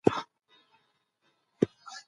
کلتوري فعالیت د کمونېزم ضد ترسره کېده.